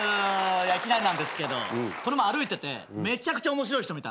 いきなりなんですけどこの前歩いててめちゃくちゃ面白い人見たんすよ。